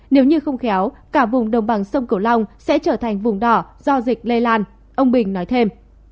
nếu như không khéo cả vùng đồng bằng sông cửu long sẽ trở thành vùng đỏ do dịch lây lan ông bình nói thêm